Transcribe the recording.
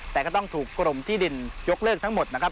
แต่ก็ต้องถูกกรมที่ดินยกเลิกทั้งหมดนะครับ